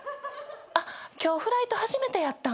あっ今日フライト初めてやったん？